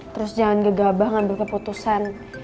terus jangan gegabah ngambil keputusan